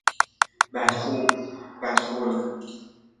بد خو، بد خلق